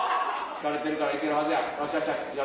疲れてるから行けるはずや！